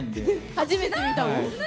初めて見たもん。